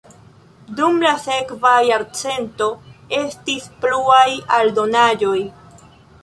Dum la sekva jarcento estis pluaj aldonaĵoj.